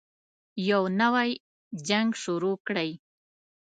يو نـوی جـنګ شروع كړئ.